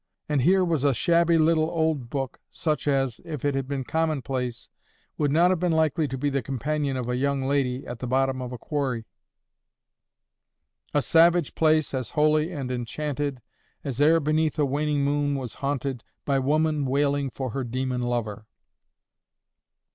And here was a shabby little old book, such as, if it had been commonplace, would not have been likely to be the companion of a young lady at the bottom of a quarry— "A savage place, as holy and enchanted As e'er beneath a waning moon was haunted By woman wailing for her demon lover."